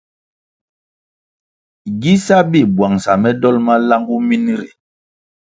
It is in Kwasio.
Gi sá bi buangsa me dol malangu min ri.